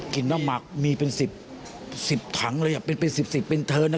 กลิ่นต้มหมักมีเป็น๑๐ถังเลยอย่าเป็นเป็นเธอนะ